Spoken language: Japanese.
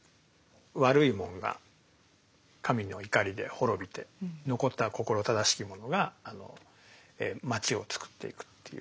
悪いものが神の怒りで滅びて残った心正しきものが町をつくっていくという。